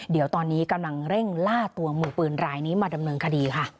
เดี๋ยวตอนนี้กำลังเร่งล่าตัวมือปืนรายนี้มาดำเนินคดีค่ะ